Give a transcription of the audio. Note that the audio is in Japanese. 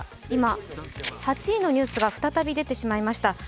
今、８位のニュースが再び出てしまいました。